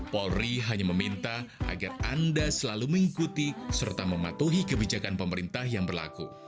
polri hanya meminta agar anda selalu mengikuti serta mematuhi kebijakan pemerintah yang berlaku